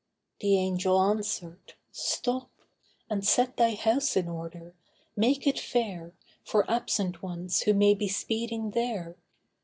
The Angel answered, 'Stop And set thy house in order; make it fair For absent ones who may be speeding there.